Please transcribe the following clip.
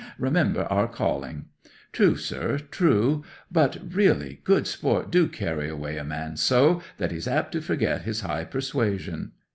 Remember our calling." '"True, sir, true. But really, good sport do carry away a man so, that he's apt to forget his high persuasion!"